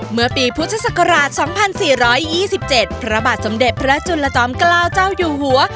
เมื่อปีพุทธศักราช๒๔๒๗พระบาทสมเด็จพระจุลจอมเกล้าเจ้าอยู่หัว